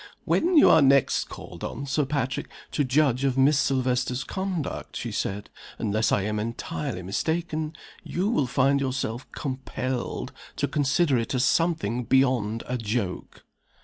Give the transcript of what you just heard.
"When you are next called on, Sir Patrick, to judge of Miss Silvester's conduct," she said, "unless I am entirely mistaken, you will find yourself compelled to consider it as something beyond a joke."